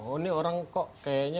oh ini orang kok kayaknya